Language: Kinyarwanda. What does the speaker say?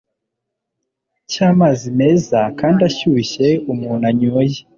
cy’amazi meza kandi ashyushye umuntu anyoye